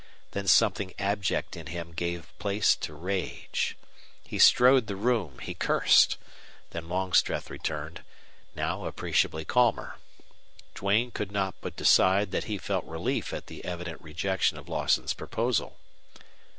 Then something abject in him gave place to rage. He strode the room; he cursed. Then Longstreth returned, now appreciably calmer. Duane could not but decide that he felt relief at the evident rejection of Lawson's proposal.